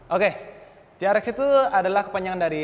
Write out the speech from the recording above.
oke trx itu adalah kepanjangan dari